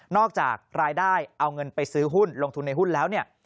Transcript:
จากรายได้เอาเงินไปซื้อหุ้นลงทุนในหุ้นแล้วเนี่ย